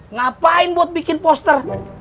ngapain buat bikin poster